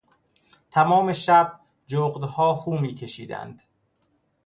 تمام شب جغدها هو میکشیدند.